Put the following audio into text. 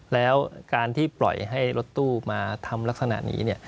แล้วการที่ปล่อยให้รถตู้มาทำลักษณะนี้